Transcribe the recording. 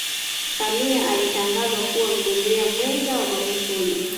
samia alitangazwa kuwa mgombea mwenza wa magufuli